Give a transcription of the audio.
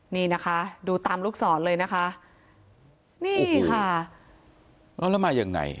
นี่นะคะดูตามลูกสอนเลยนะคะนี่ค่ะแล้วมายังไง